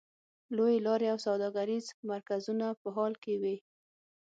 لویې لارې او سوداګریز مرکزونه په حال کې وې.